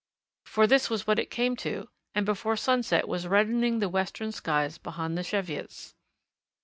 For this was what it came to, and before sunset was reddening the western skies behind the Cheviots.